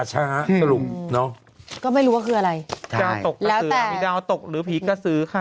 หายไปในปัดช้าสรุปเนาะ